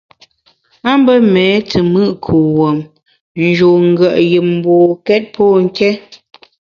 A mbe méé te mùt kuwuom, n’ njun ngùet yùm mbokét pô nké.